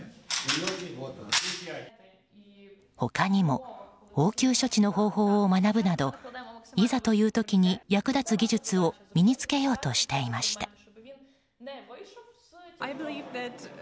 他にも応急処置の方法を学ぶなどいざという時に役立つ技術を身に着けようとしていました。